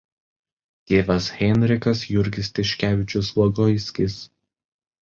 Tėvas Henrikas Jurgis Tiškevičius Logoiskis.